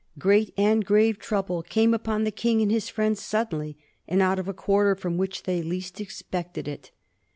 Great and grave trouble came upon the King and his friends suddenly, and out of a quarter from which they least expected it.